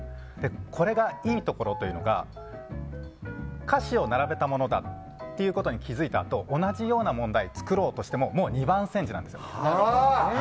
これのいいところというのが歌詞を並べたものだってことに気づいたあと同じような問題を作ろうとしてももう二番煎じなんですよ。